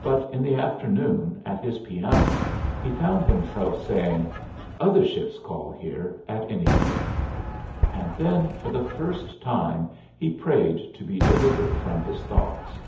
But in the afternoon, at his piano, he found himself saying, "Other ships call here, at any rate." And then for the first time he prayed to be delivered from his thoughts.